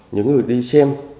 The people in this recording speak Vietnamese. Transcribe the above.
những người đi xem